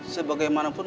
sebagai mana pun